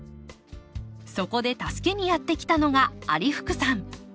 そこで助けにやって来たのが有福さん。